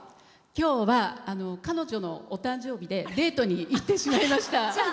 今日は、彼女のお誕生日でデートに行ってしまいました。